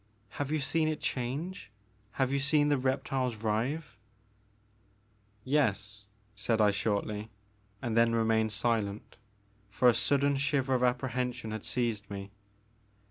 Have you seen it change, — have you seen the reptiles writhe ?" ''Yes," said I shortly, and then remained silent, for a sudden shiver of apprehension had seized me.